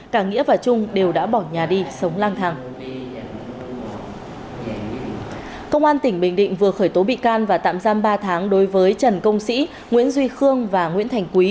cả nghĩa và trung đều đã bỏ nhà đi sống lang thang